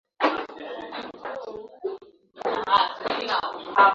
william alimweka binti yake katika mashua namba nne